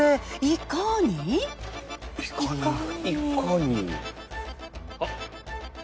いかに？はっ。